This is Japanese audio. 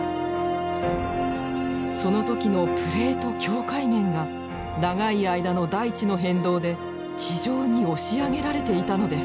その時のプレート境界面が長い間の大地の変動で地上に押し上げられていたのです。